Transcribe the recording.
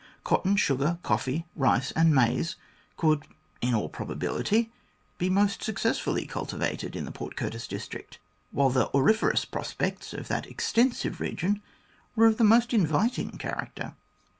Cotton, sugar, coffee, rice, and maize could in all probability be most success fully cultivated in the Port Curtis district, while the .^auriferous prospects of that extensive region were of the most inviting character.